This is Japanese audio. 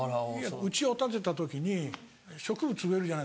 うちを建てた時に植物植えるじゃないですか。